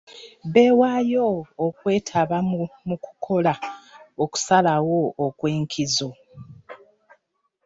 Beewaayo okwetaba mu kukola okusalawo okw'enkizo.